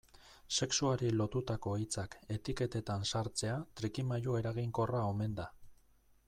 Sexuari lotutako hitzak etiketetan sartzea trikimailu eraginkorra omen da.